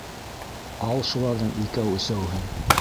Ал шуларҙың икәү-өсәүен.